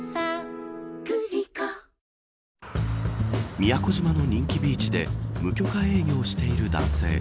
宮古島の人気ビーチで無許可営業している男性。